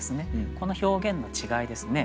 この表現の違いですね。